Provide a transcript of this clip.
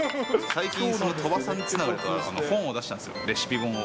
最近、その鳥羽さんが本を出したんですよ、レシピ本を。